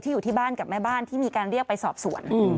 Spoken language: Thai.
อยู่ที่บ้านกับแม่บ้านที่มีการเรียกไปสอบสวน